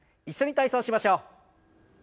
一緒に体操しましょう。